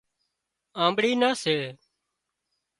آنٻڙي نان سي